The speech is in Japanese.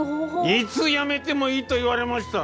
「いつ辞めてもいい」と言われました。